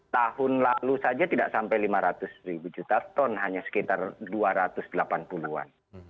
tahun lalu saja tidak sampai lima ratus ribu juta ton hanya sekitar dua ratus delapan puluh an